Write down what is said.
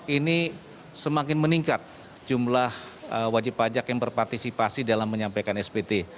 ini semakin meningkat jumlah wajib pajak yang berpartisipasi dalam menyampaikan spt